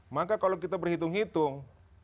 maka kalau kita berhitung hitung